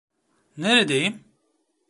Neredeyim?